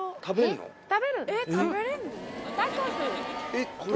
えっこれ？